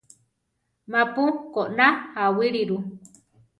Ma-pu koná aʼwíli ru.